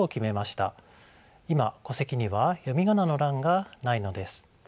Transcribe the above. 今戸籍には読み仮名の欄がないのです。